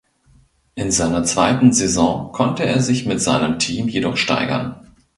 In seiner zweiten Saison konnte er sich mit seinem Team jedoch steigern.